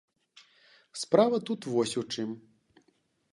Справа тут вось у чым.